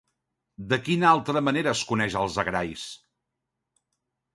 De quina altra manera es coneix als Agrais?